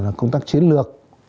làm công tác chiến lược